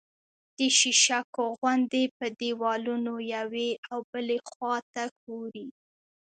د شیشکو غوندې په دېوالونو یوې او بلې خوا ته ښوري